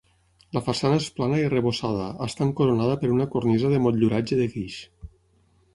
La façana és plana i arrebossada, estant coronada per una cornisa de motlluratge de guix.